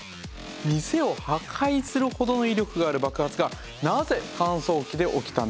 店を破壊するほどの威力がある爆発がなぜ乾燥機で起きたんでしょうか？